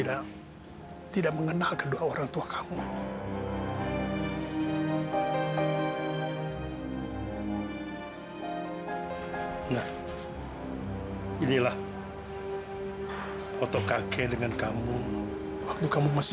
waktu kedua orang tua kamu